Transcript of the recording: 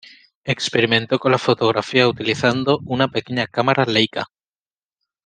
Experimentó con la fotografía utilizando una pequeña cámara Leica.